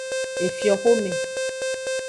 Efioxome.